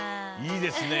いいですね。